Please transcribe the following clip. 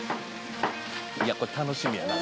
これ楽しみやな